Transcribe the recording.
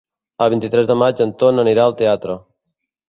El vint-i-tres de maig en Ton anirà al teatre.